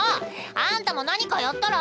あんたも何かやったら？